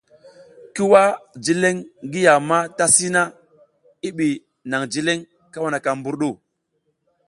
Ki wah jileƞ ngi yam a ta sina, i ɓi naƞ jileƞ kawaka mbur ɗu.